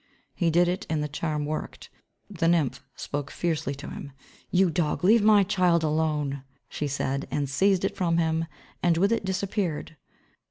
He did it and the charm worked. The Nymph spoke fiercely to him, "You dog, leave my child alone," she said, and seized it from him, and with it disappeared.